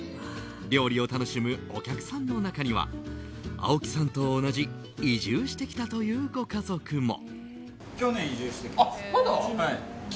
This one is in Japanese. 料理を楽しむお客さんの中には青木さんと同じ移住してきたというご家族も。